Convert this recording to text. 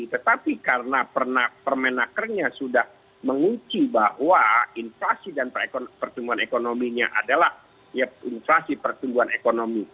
tetapi karena permenakernya sudah menguci bahwa inflasi dan pertumbuhan ekonominya adalah inflasi pertumbuhan ekonomi